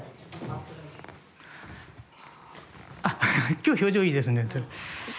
今日表情いいですね。